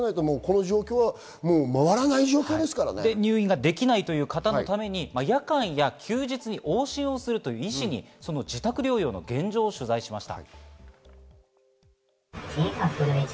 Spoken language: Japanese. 入院ができないという方のために夜間や休日に往診をするという医師に自宅療養の現状を取材しました。